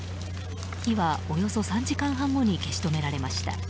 火はおよそ３時間半後に消し止められました。